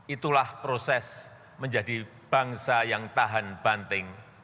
itulah proses menjadi bangsa yang tahan banting